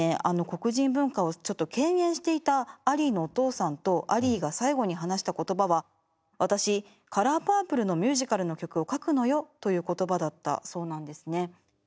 あの黒人文化をちょっと倦厭していたアリーのお父さんとアリーが最期に話した言葉は「私『カラーパープル』のミュージカルの曲を書くのよ」という言葉だったそうなんですね。